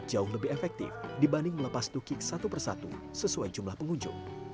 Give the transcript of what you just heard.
jauh lebih efektif dibanding melepas tukik satu persatu sesuai jumlah pengunjung